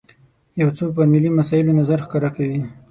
یو څوک پر ملي مسایلو نظر ښکاره کوي.